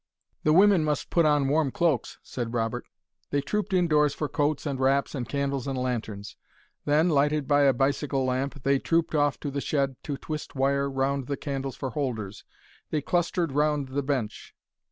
"The women must put on warm cloaks," said Robert. They trooped indoors for coats and wraps and candles and lanterns. Then, lighted by a bicycle lamp, they trooped off to the shed to twist wire round the candles for holders. They clustered round the bench.